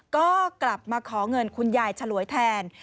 ก็กลับมาขอเงินคุณยายฉลวยแทน